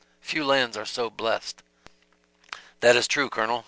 Few lands are so blest." "That is true, Colonel.